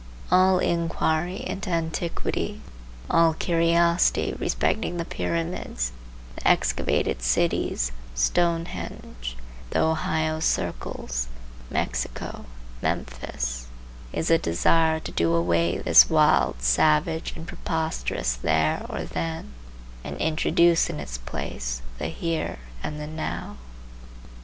All inquiry into antiquity, all curiosity respecting the Pyramids, the excavated cities, Stonehenge, the Ohio Circles, Mexico, Memphis,—is the desire to do away this wild, savage, and preposterous There or Then, and introduce in its place the Here and the Now.